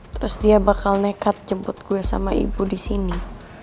terus dia bakal nekat jemput gue sama ibu disini